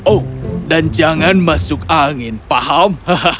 oh dan jangan masuk angin paham